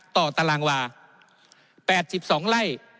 ต่อตารางวาแปดสิบสองไล่